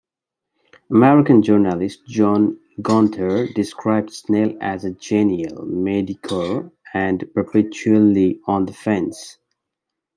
American journalist John Gunther described Snell as genial, mediocre, and perpetually on the fence.